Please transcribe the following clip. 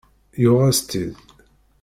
Yuɣ-as-t-id.